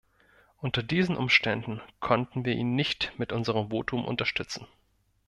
Unter diesen Umständen konnten wir ihn nicht mit unserem Votum unterstützen.